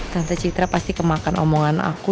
tante cik tra pasti kemakan omongan aku